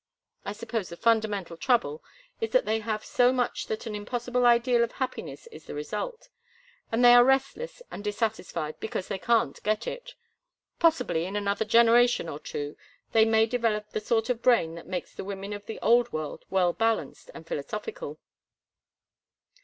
I suppose the fundamental trouble is that they have so much that an impossible ideal of happiness is the result, and they are restless and dissatisfied because they can't get it. Possibly in another generation or two they may develop the sort of brain that makes the women of the Old World well balanced and philosophical."